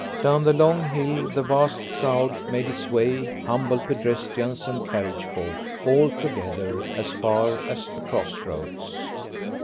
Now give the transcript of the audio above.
Down the long hill the vast crowd made its way, humble pedestrians and carriage folk, all together, as far as the cross roads.